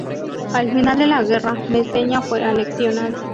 Al final de la guerra, Mesenia fue anexionada.